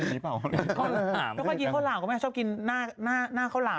ถ้าเป็นคนกินข้าวหลามก็ไม่ค่าชอบกินหน้าข้าวหลาม